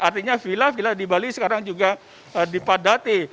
artinya villa villa di bali sekarang juga dipadati